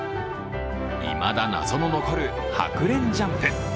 いまだ謎の残るハクレンジャンプ。